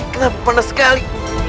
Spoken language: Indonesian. kenapa panas sekali